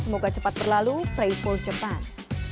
semoga cepat berlalu pray for japan